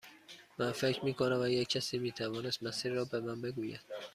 من فکر می کنم اگر کسی می توانست مسیر را به من بگوید.